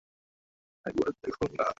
না, একবার দেখুন না।